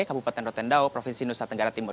kabupaten rotendao provinsi nusa tenggara timur